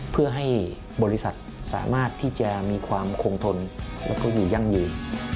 เพื่อให้บริษัทสามารถที่จะมีความคงทนแล้วก็อยู่ยั่งยืน